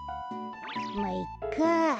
まいっか。